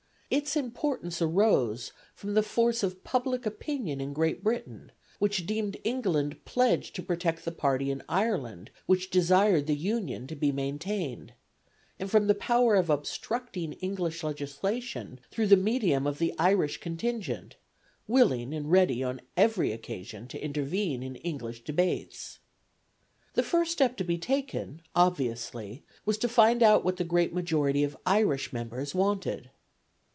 Its importance arose from the force of public opinion in Great Britain, which deemed England pledged to protect the party in Ireland which desired the Union to be maintained, and from the power of obstructing English legislation through the medium of the Irish contingent, willing and ready on every occasion to intervene in English debates. The first step to be taken obviously was to find out what the great majority of Irish members wanted.